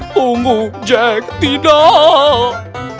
tunggu jack tidak